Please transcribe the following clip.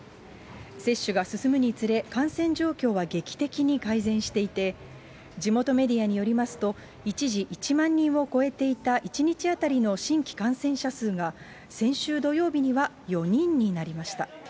接種が進むにつれ、感染状況は劇的に改善していて、地元メディアによりますと、一時、１万人を超えていた１日当たりの新規感染者数が、先週土曜日には４人になりました。